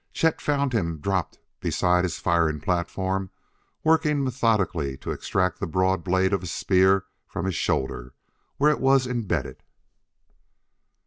Chet found him dropped beside his firing platform working methodically to extract the broad blade of a spear from his shoulder where it was embedded.